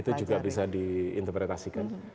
itu juga bisa diinterpretasikan